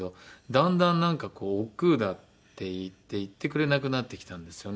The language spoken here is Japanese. だんだんなんかこう億劫だって言って行ってくれなくなってきたんですよね。